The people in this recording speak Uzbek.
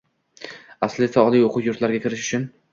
Aslida esa oliy o‘quv yurtlariga kirish uchun